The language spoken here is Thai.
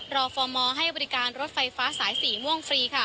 ฟอร์มอลให้บริการรถไฟฟ้าสายสีม่วงฟรี